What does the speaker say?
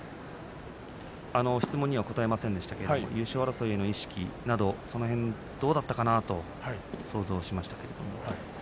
質問には答えませんでしたけれど優勝争いの意識などどうだったかなと想像しました。